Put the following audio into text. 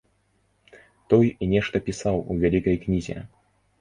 Той нешта пісаў у вялікай кнізе.